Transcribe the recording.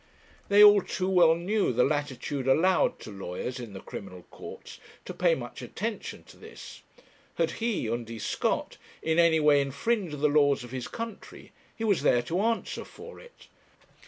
They all too well knew the latitude allowed to lawyers in the criminal courts, to pay much attention to this. Had he' (Undy Scott) 'in any way infringed the laws of his country, he was there to answer for it.